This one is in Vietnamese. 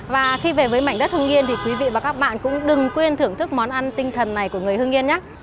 và khi về với mảnh đất hương yên thì quý vị và các bạn cũng đừng quên thưởng thức món ăn tinh thần này của người hương yên nhé